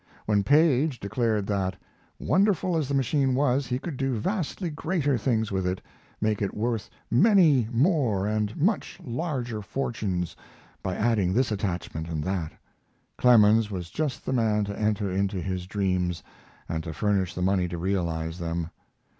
When Paige declared that, wonderful as the machine was, he could do vastly greater things with it, make it worth many more and much larger fortunes by adding this attachment and that, Clemens was just the man to enter into his dreams and to furnish the money to realize them.